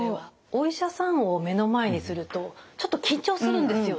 お医者さんを目の前にするとちょっと緊張するんですよね。